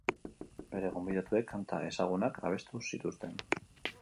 Bere gonbidatuek kanta ezagunak abestu zituzten.